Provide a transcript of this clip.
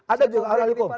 ada juga hal hal itu